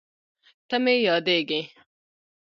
ته مې یادېږې